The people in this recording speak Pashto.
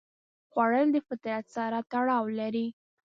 خوړل د فطرت سره تړاو لري